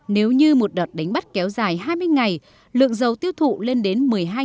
nếu như một đợt đánh bắt kéo dài hai mươi ngày lượng dầu tiêu thụ lên đến một mươi hai bốn trăm linh